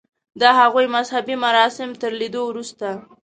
د هغوی مذهبي مراسم تر لیدو وروسته.